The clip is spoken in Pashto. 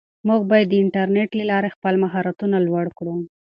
موږ باید د انټرنیټ له لارې خپل مهارتونه لوړ کړو.